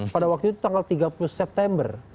pada waktu itu tanggal tiga puluh september